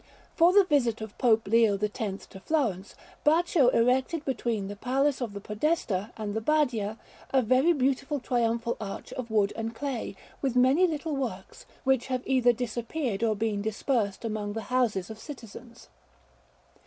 For the visit of Pope Leo X to Florence, Baccio erected between the Palace of the Podestà and the Badia a very beautiful triumphal arch of wood and clay; with many little works, which have either disappeared or been dispersed among the houses of citizens.